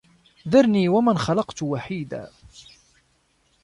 ذَرني وَمَن خَلَقتُ وَحيدًا